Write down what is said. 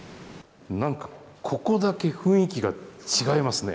なんか、ここだけ雰囲気が違いますね。